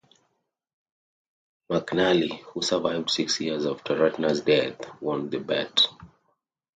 McNally, who survived six years after Ratner's death, won the bet.